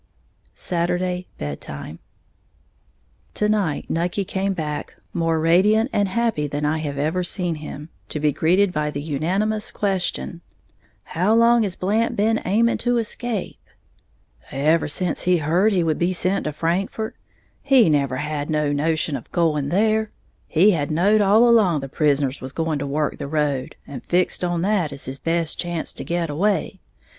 Saturday, Bed time. To night Nucky came back, more radiant and happy than I have ever seen him, to be greeted by the unanimous question, "How long has Blant been aiming to escape?" "Ever sence he heared he would be sent to Frankfort, he never had no notion of going there. He has knowed all along the prisoners was going to work the road, and fixed on that as his best chance to get away.